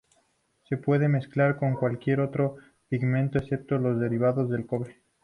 Se puede mezclar con cualquier otro pigmento, excepto los derivados del cobre.